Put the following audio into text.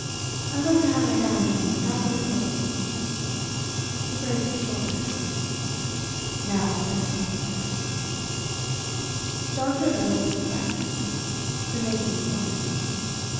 I'd like to have a hand on the government ropes." He braced his shoulders. "Now for this doctor." "Doctor Erb is at breakfast," the maid informed him.